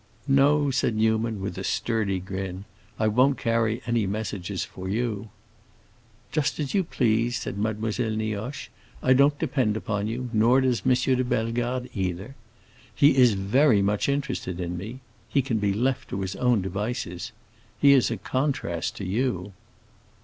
"No," said Newman, with a sturdy grin; "I won't carry any messages for you." "Just as you please," said Mademoiselle Nioche, "I don't depend upon you, nor does M. de Bellegarde either. He is very much interested in me; he can be left to his own devices. He is a contrast to you."